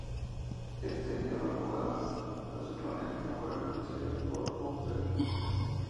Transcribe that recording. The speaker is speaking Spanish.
Esto lleva al jugador a suponer que fue reconstruido por Bowser Jr.